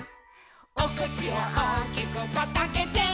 「おくちをおおきくパッとあけて」